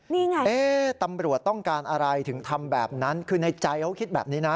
นี่ไงตำรวจต้องการอะไรถึงทำแบบนั้นคือในใจเขาคิดแบบนี้นะ